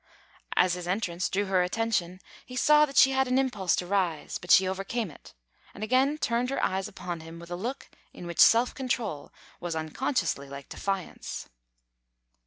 As his entrance drew her attention, he saw that she had an impulse to rise; but she overcame it, and again turned her eyes upon him, with a look in which self control was unconsciously like defiance.